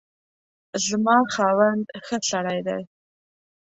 زما خاوند ښه سړی دی